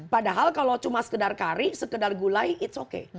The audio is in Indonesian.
padahal kalau cuma sekedar kari sekedar gulai it's okay